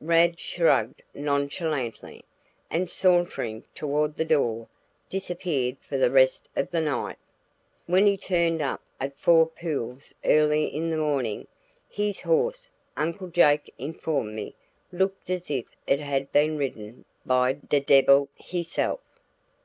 Rad shrugged nonchalantly, and sauntering toward the door, disappeared for the rest of the night. When he turned up at Four Pools early in the morning, his horse, Uncle Jake informed me, looked as if it had been ridden by "de debbil hisself."